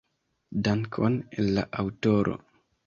Dankon al la aŭtoro.